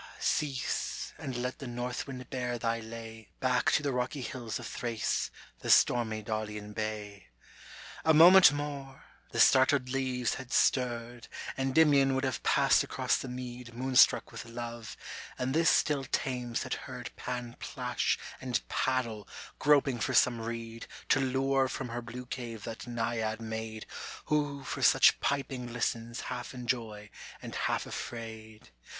cease and let the northwind bear thy lay Back to the rocky hills of Thrace, the stormy Daulian A moment more, the startled leaves had stirred, Endymion would have passed across the mead Moonstruck with love, and this still Thames had heard Pan plash and paddle groping for some reed To lure from her blue cave that Naiad maid Who for such piping listens half in joy and half afraid.